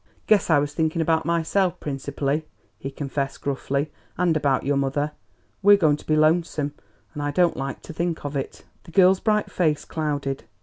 "Guess I was thinking about myself principally," he confessed gruffly, "and about your mother. We're going to be lonesome; and I don't like to think of it." The girl's bright face clouded.